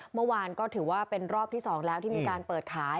เมื่อวานก็ถือว่าเป็นรอบที่๒แล้วที่มีการเปิดขาย